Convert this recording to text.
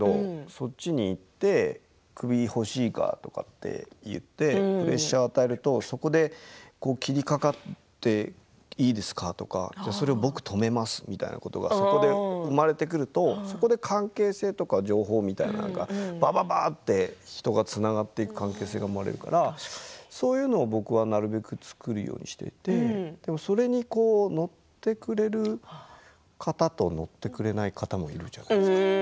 そっちに行って首欲しいか？とか言ってプレッシャーを与えるとそこで切りかかっていいですか？とかそれを僕、止めますみたいなことがそこで生まれてくるとそこで関係性とか情報みたいなのが、ばばばーって人がつながっていく関係性が生まれるからそういうのを僕はなるべく作るようにしていてそれに乗ってくれる方と乗ってくれない方もいるじゃないですか。